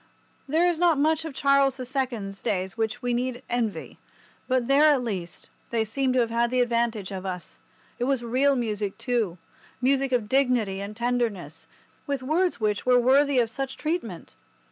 There is not much of Charles the Second's days which we need envy, but there, at least, they seem to have had the advantage of us. It was real music, too—music of dignity and tenderness—with words which were worthy of such treatment.